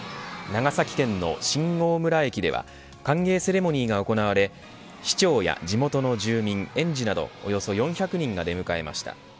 長崎県の新大村駅では歓迎セレモニーが行われ市長や地元の住民園児などおよそ４００人が出迎えました。